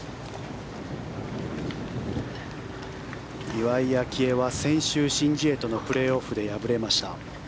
岩井明愛は先週シン・ジエとのプレーオフで敗れました。